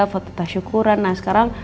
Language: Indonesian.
foto tersyukuran nah sekarang